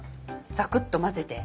ザクっと混ぜて。